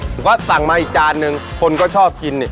ผมก็สั่งมาอีกจานนึงคนก็ชอบกินเนี่ย